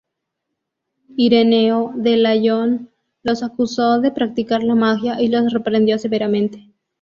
Ireneo de Lyon los acusó de practicar la magia y los reprendió severamente.